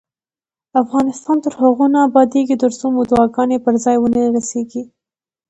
افغانستان تر هغو نه ابادیږي، ترڅو مو دعاګانې پر ځای ونه رسیږي.